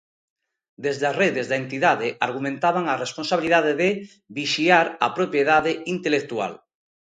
Desde as redes da entidade argumentaban a responsabilidade de "vixiar a propiedade intelectual".